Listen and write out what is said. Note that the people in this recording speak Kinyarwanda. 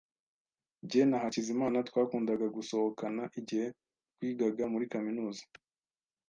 Jye na Hakizimana twakundaga gusohokana igihe twigaga muri kaminuza.